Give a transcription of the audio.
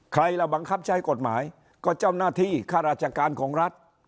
เราบังคับใช้กฎหมายก็เจ้าหน้าที่ข้าราชการของรัฐ